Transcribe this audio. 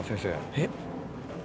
えっ？